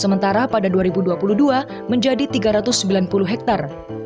sementara pada dua ribu dua puluh dua menjadi tiga ratus sembilan puluh hektare